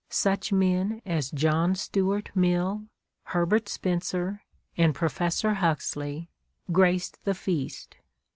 Such men as John Stuart Mill, Herbert Spencer, and Prof. Huxley, graced the feast.